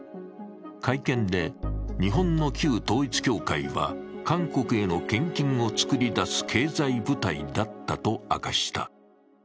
会見で、日本の旧統一教会は韓国への献金をつくり出す経済部隊だったと明かした。